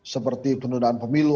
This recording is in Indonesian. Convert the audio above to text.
seperti penyeludahan pemilu